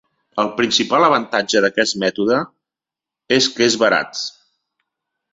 El principal avantatge d'aquest mètode és que és barat.